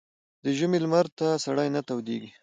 ـ د ژمي لمر ته سړى نه تودېږي.